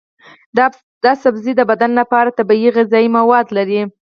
دا سبزی د بدن لپاره طبیعي غذایي مواد لري.